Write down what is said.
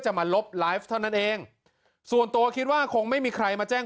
มาลบไลฟ์เท่านั้นเองส่วนตัวคิดว่าคงไม่มีใครมาแจ้ง